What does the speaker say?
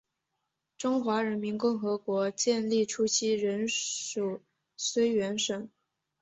中华人民共和国建立初期仍属绥远省。